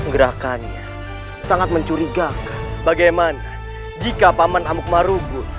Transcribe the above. gerakannya sangat mencurigakan bagaimana jika paman amuk marugud